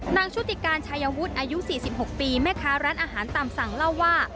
ชุติการชายวุฒิอายุ๔๖ปีแม่ค้าร้านอาหารตามสั่งเล่าว่า